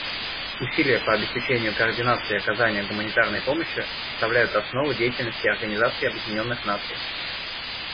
Усилия по обеспечению координации и оказанию гуманитарной помощи составляют основу деятельности Организации Объединенных Наций.